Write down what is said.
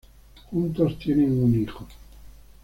Juntos tienen un hijo.